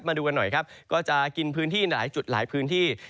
มาดูกันหน่อยครับก็จะกินพื้นที่หลายจุดหลายพื้นที่